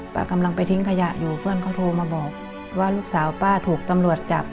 กำลังไปทิ้งขยะอยู่เพื่อนเขาโทรมาบอกว่าลูกสาวป้าถูกตำรวจจับ